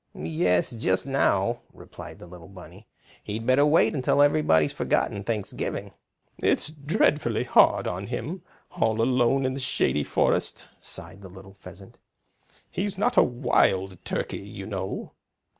"Yes, just now," replied the little bunny. "He'd better wait until everybody has forgotten Thanksgiving." "It's dreadfully hard on him, all alone in the Shady Forest," sighed the little pheasant. "He's not a Wild Turkey, you know."